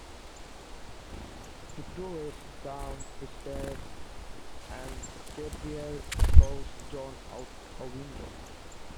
The two race down the stairs and Gabrielle throws John out a window.